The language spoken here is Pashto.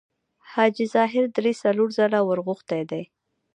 حاجي ظاهر درې څلور ځله ورغوښتی دی.